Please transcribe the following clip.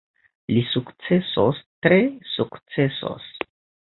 Li sukcesos, tre sukcesos.